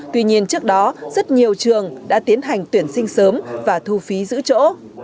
tuy nhiên trước đó rất nhiều trường đã tiến hành tuyển sinh sớm và thu phí giữ chỗ